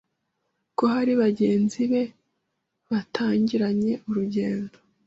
ko hari bagenzi be batangiranye urugendo